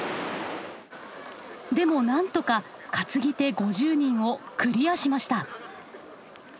でもなんとか担ぎ手５０人をクリアしました。